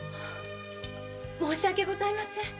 申し訳ございません。